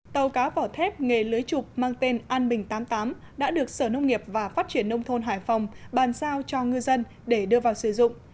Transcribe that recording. tàu cá vỏ thép nghề lưới chụp mang tên an bình tám mươi tám đã được sở nông nghiệp và phát triển nông thôn hải phòng bàn giao cho ngư dân để đưa vào sử dụng